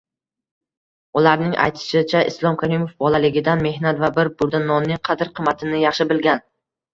Ularning aytishicha, Islom Karimov bolaligidan mehnat va bir burda nonning qadr-qimmatini yaxshi bilgan